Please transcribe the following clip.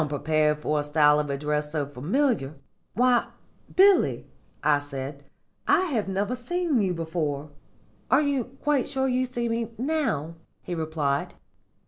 "Unprepared for a style of address so familiar, 'Why, Billy,' I said, 'I have never seen you before.' "'Are you quite sure you see me now?' he replied.